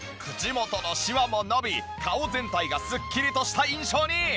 口元のシワも伸び顔全体がすっきりとした印象に！